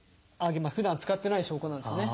ふだん使ってない証拠なんですね。